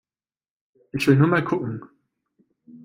Ich will nur mal gucken!